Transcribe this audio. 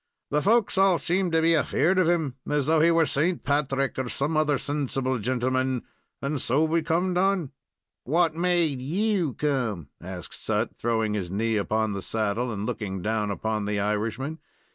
The folks all seem to be afeard of him, as though he were St. Patrick or some other sensible gintleman, and so we comed on." "What made you come?" asked Sut, throwing his knee upon the saddle and looking down upon the Irishman.